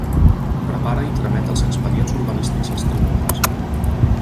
Prepara i tramet els expedients urbanístics als tribunals.